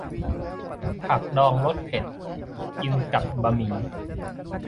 ผักดองรสเผ็ด กินกับบะหมี่